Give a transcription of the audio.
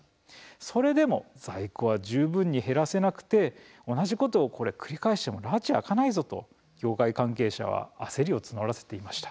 それでも在庫は十分に減らせなくて同じことを繰り返してもらち明かないぞと、業界関係者は焦りを募らせていました。